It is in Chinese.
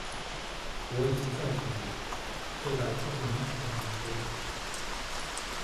我已经在里面了，坐在靠近门口的那张桌子。